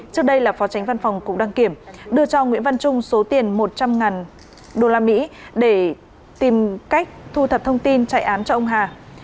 trước đây là phó tránh văn phòng cục đăng kiểm đưa cho nguyễn văn trung số tiền một trăm linh usd để tìm cách thu thập thông tin chạy án cho ông hà